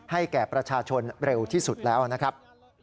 แก่ประชาชนเร็วที่สุดแล้วนะครับ